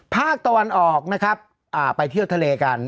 ภาคตะวันออกนะครับไปเที่ยวทะเลกัน